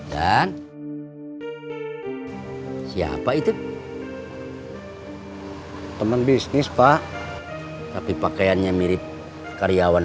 dan siapa itu teman bisnis pak tapi pakaiannya mirip karyawan